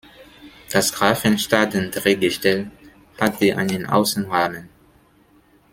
Das Grafenstaden-Drehgestell hatte einen Außenrahmen.